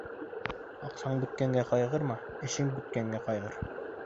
Аҡсаң бөткәнгә ҡайғырма, эшең бөткәнгә ҡайғыр.